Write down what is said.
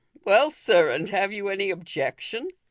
" Well, sir, and have you any objection